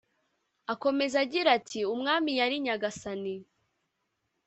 Akomeza agira ati “Umwami yari Nyagasani